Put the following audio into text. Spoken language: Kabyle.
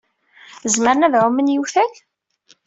Zemren ad ɛummen yewtal?